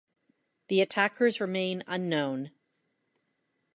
The attackers remain unknown.